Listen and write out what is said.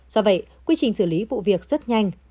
do vậy quy trình xử lý vụ việc rất nhanh